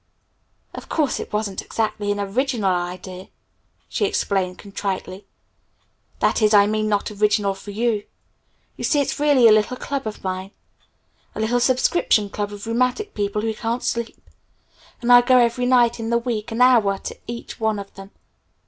"Of course it wasn't exactly an original idea," she explained contritely. "That is, I mean not original for you. You see, it's really a little club of mine a little subscription club of rheumatic people who can't sleep; and I go every night in the week, an hour to each one of them.